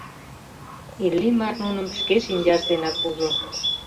Иллимар нуным шке шинчаж денак ужо.